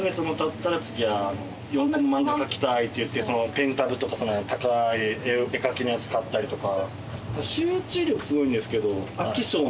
ペンタブとか高い絵描きのやつ買ったりとか。